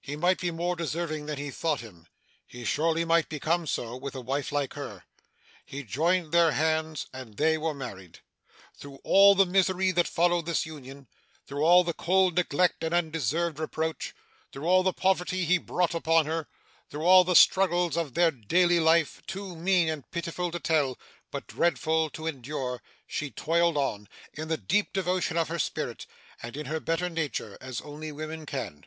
He might be more deserving than he thought him. He surely might become so, with a wife like her. He joined their hands, and they were married. 'Through all the misery that followed this union; through all the cold neglect and undeserved reproach; through all the poverty he brought upon her; through all the struggles of their daily life, too mean and pitiful to tell, but dreadful to endure; she toiled on, in the deep devotion of her spirit, and in her better nature, as only women can.